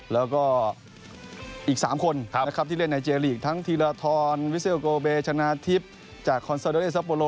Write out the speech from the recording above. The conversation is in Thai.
แล้วก็อีก๓คนนะครับที่เล่นไนเจอร์ลีกทั้งธีราธรวิซิลโกเบชนะทิพย์จากคอนเซอร์เดอร์เอสซาโปโล